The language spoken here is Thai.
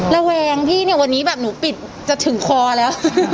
ระแวงพี่เนี่ยวันนี้แบบหนูปิดจะถึงคอแล้ว